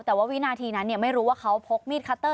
แต่ว่าวินาทีนั้นไม่รู้ว่าเขาพกมีดคัตเตอร์